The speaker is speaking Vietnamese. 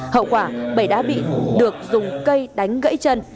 hậu quả bảy đã bị được dùng cây đánh gãy chân